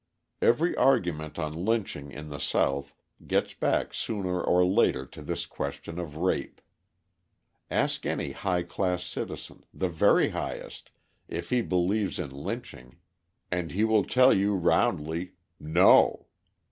Every argument on lynching in the South gets back sooner or later to this question of rape. Ask any high class citizen the very highest if he believes in lynching, and he will tell you roundly, "No."